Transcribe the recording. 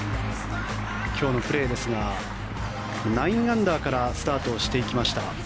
今日のプレーですが９アンダーからスタートしていきました。